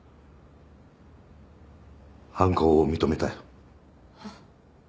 犯行を認めたよ。は？